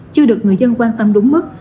chưa được người dân quan tâm đúng mức